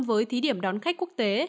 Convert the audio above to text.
với thí điểm đón khách quốc tế